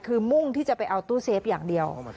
คือมุ่งที่จะไปเอาตู้เซฟอย่างเดียว